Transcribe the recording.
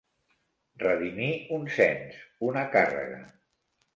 Redimir un cens, una càrrega.